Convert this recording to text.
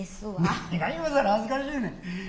何が今更恥ずかしいねん。